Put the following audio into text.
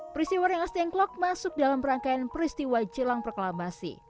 peristiwa rengas dengklok masuk dalam rangkaian peristiwa jelang proklamasi